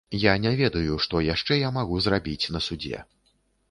Я не ведаю, што яшчэ я магу зрабіць на судзе.